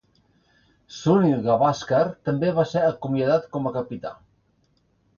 Sunil Gavaskar també va ser acomiadat com a capità.